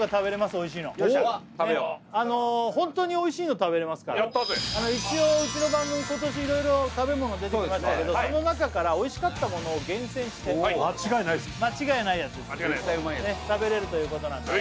おいしいのあの本当においしいの食べれますから一応うちの番組今年色々食べ物出てきましたけどその中からおいしかったものを厳選して間違いないすね間違いないやつ食べれるということなんでね